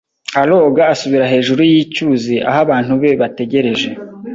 aroga asubira hejuru yicyuzi aho abantu be bategereje